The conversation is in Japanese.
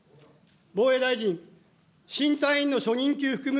防衛大臣、新隊員の初任給含む